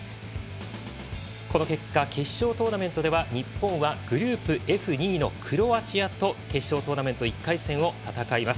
この結果決勝トーナメントでは日本はグループＦ２位のクロアチアと決勝トーナメント１回戦を戦います。